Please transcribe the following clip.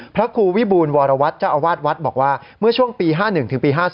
พระครูวิบูรวรวัตรเจ้าอาวาสวัดบอกว่าเมื่อช่วงปี๕๑ถึงปี๕๔